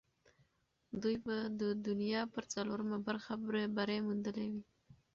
دوی به د دنیا پر څلورمه برخه بری موندلی وي.